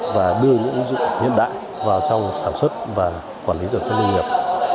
và đưa những dụng nghiên đại vào trong sản xuất và quản lý dựng trong nông nghiệp